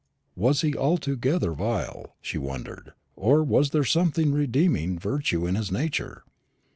Was he altogether vile, she wondered, or was there some redeeming virtue in his nature?